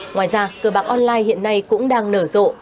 ngoài ra cờ bạc online hiện nay cũng đang nở rộ